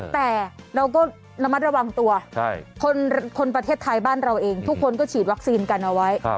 แต่เราก็ระมัดระวังตัวคนประเทศไทยบ้านเราเองทุกคนก็ฉีดวัคซีนกันเอาไว้